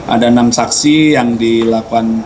ada enam saksi yang dilakukan